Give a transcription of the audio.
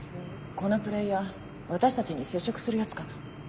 このプレイヤー私たちに接触するヤツかな？